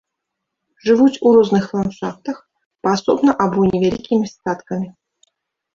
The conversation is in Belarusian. Жывуць у розных ландшафтах, паасобна або невялікімі статкамі.